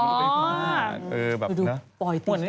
เออแบบนะ